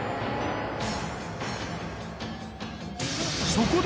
［そこで］